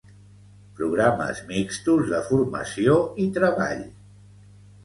Programes mixtos de formació i treball.